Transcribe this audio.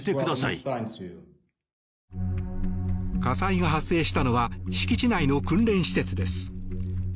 火災が発生したのは敷地内の訓練施設です。